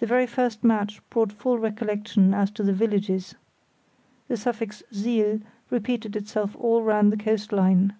The very first match brought full recollection as to the villages. The suffix siel repeated itself all round the coast line.